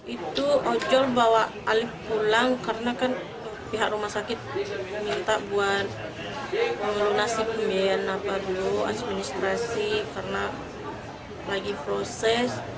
itu ojol bawa alif pulang karena kan pihak rumah sakit minta buat melunasi pembiayaan apa dulu administrasi karena lagi proses